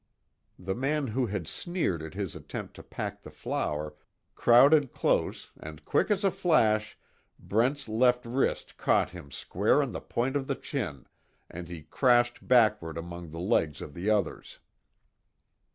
The man who had sneered at his attempt to pack the flour crowded close and quick as a flash, Brent's left fist caught him square on the point of the chin and he crashed backward among the legs of the others.